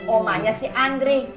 omanya si andre